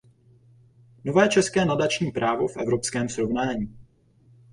Nové české nadační právo v evropském srovnání.